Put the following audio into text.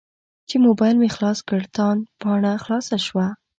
چې موبایل مې خلاص کړ تاند پاڼه خلاصه وه.